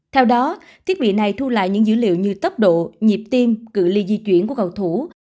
theo đó thiết bị này thu lại những dữ liệu như tốc độ nhịp tim cự li di chuyển của cầu thủ